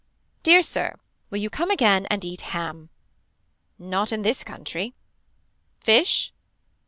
Dear Sir. Will you come again and eat ham. Not in this country. Fish.